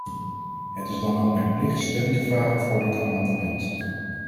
Het is dan ook mijn plicht steun te vragen voor dit amendement.